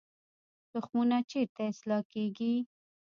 تخمونه چیرته اصلاح کیږي؟